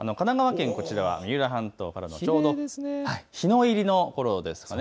神奈川県、こちらは三浦半島から日の入りのころです。